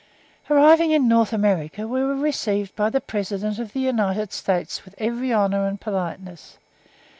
Arriving in North America, we were received by the President of the United States with every honour and politeness.